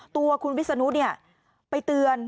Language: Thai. ตัวคุณวิสนุเนี่ยไปเตือน